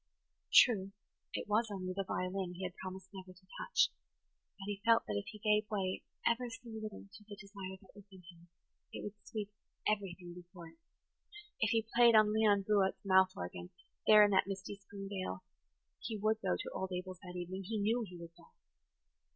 True, it was only the violin he had promised never to touch; but he felt that if he gave way ever so little to the desire that was in him, it would sweep everything before it. If he played on Leon Buote's mouth organ, there in that misty spring dale, he would go to old Abel's that evening; he knew he would go.